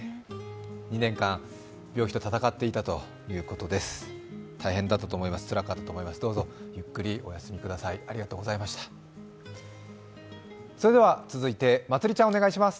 ２年間、病気と闘っていたということです。